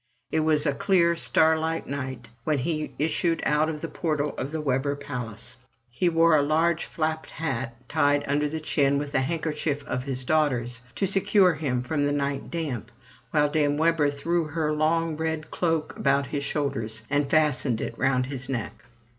It was a clear starlight night, when he issued out of the portal of the Webber palace. He wore a large flapped hat tied under the chin with a handkerchief of his daughter's, to secure him from the night damp, while Dame Webber threw her long red cloak about his shoulders, and fastened it round his neck.